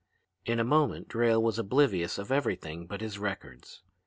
In a moment Drayle was oblivious of everything but his records.